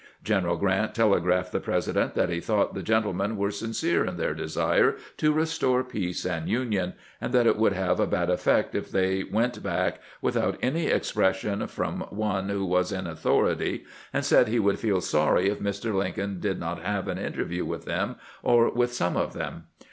General Grant telegraphed the President that he thought the gentlemen were sincere in their desire to restore peace and union, and that it would have a bad effect if they went back 384 CAMPAIGNING WITH GEANT ■without any expression from one who was in authority, and said he would feel sorry if Mr. Lincoln did not have an interview with them, or with some of them.